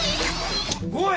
おい！